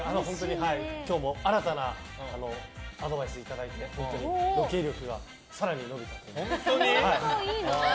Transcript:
今回も新たなアドバイスをいただいてロケ力が更に伸びたと思います。